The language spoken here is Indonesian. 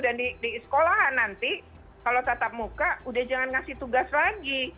dan di sekolahan nanti kalau tatap muka udah jangan ngasih tugas lagi